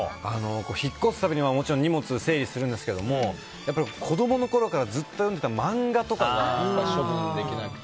引っ越すたびに荷物を整理するんですがやっぱり子供のころからずっと読んでた漫画とかが処分できなくて。